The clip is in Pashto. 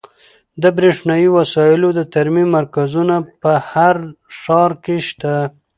د برښنایي وسایلو د ترمیم مرکزونه په هر ښار کې شته.